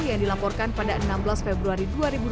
yang dilaporkan pada enam belas februari dua ribu dua puluh